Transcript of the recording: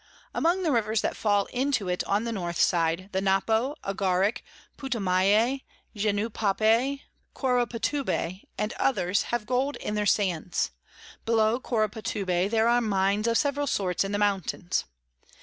Among the Rivers that fall into it on the North side, the Napo, Agaric, Putomaye, Jenupape, Coropatube, and others, have Gold in their Sands. Below Coropatube there are Mines of several sorts in the Mountains.